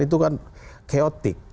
itu kan keotik